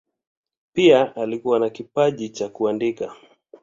Pia alikuwa na kipaji cha kuandika.